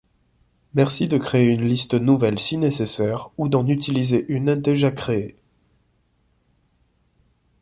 Merci de créer une liste nouvelle si nécessaire ou d'en utiliser une déjà créée.